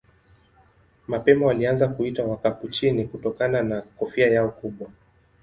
Mapema walianza kuitwa Wakapuchini kutokana na kofia yao kubwa.